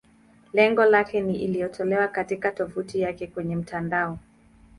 Lengo lake ni iliyotolewa katika tovuti yake kwenye mtandao.